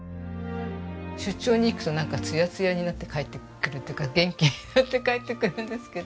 出張に行くとツヤツヤになって帰ってくるっていうか元気になって帰ってくるんですけど。